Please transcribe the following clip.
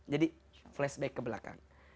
jadi flashback ke belakang